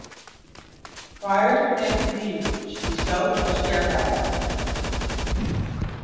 Prior to planting seeds should be soaked or scarified.